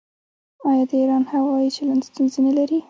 آیا د ایران هوايي چلند ستونزې نلري؟